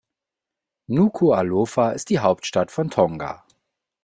Nukuʻalofa ist die Hauptstadt von Tonga.